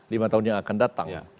lima tahun yang akan datang